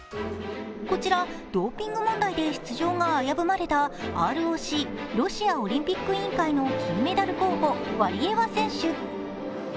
こちらドーピング問題で出場が危ぶまれたＲＯＣ＝ロシアオリンピック委員会の金メダル候補、ワリエワ選手。